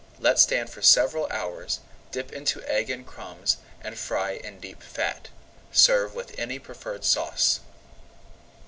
Let stand for several hours, dip into egg and crumbs, and fry in deep fat. Serve with any preferred sauce.